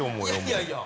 いやいや。